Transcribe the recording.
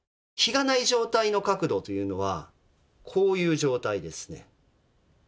樋がない状態の角度というのはこういう状態ですね。